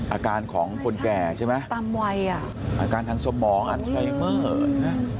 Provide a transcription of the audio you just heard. อาการของคนแก่ใช่ไหมอาการทางสมองอันไฟเมอร์